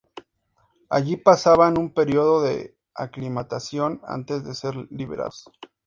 Allí pasaban un período de aclimatación antes de ser liberados.